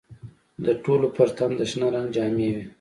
د ټولو پر تن د شنه رنګ جامې وې.